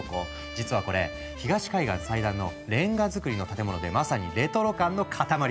実はこれ東海岸最大のレンガ造りの建物でまさにレトロ感の塊だった。